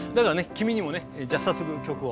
君にもねじゃあ早速曲を。